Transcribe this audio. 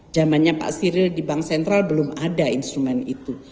zamannya pak siril di bank sentral belum ada instrumen itu